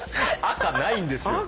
赤ないんですよ。